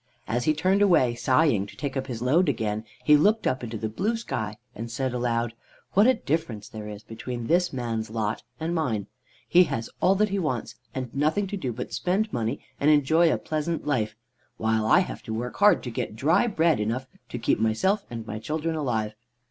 As he turned away sighing, to take up his load again, he looked up into the blue sky, and said aloud: "What a difference there is between this man's lot and mine. He has all that he wants, and nothing to do but to spend money and enjoy a pleasant life, while I have to work hard to get dry bread enough to keep myself and my children alive.